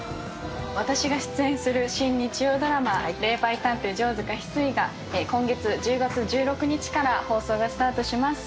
私が出演する新日曜ドラマ、霊媒探偵城塚翡翠が、今月・１０月１６日から放送がスタートします。